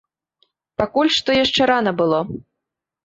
Пакуль што яшчэ рана было.